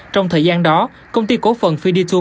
trong thời gian đó công ty cổ phần fiditur